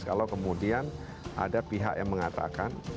kalau kemudian ada pihak yang mengatakan